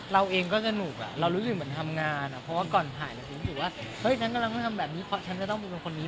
เราเองก็สนุกเรารู้สึกเหมือนทำงานเพราะว่าก่อนถ่ายคุณรู้สึกว่าเฮ้ยฉันกำลังต้องทำแบบนี้เพราะฉันจะต้องเป็นคนคนนี้